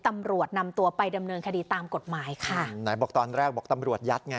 ตำรวจนำตัวไปดำเนินคดีตามกฎหมายค่ะไหนบอกตอนแรกบอกตำรวจยัดไง